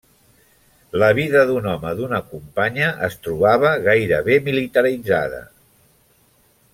La vida d'un home d'una companya es trobava gairebé militaritzada.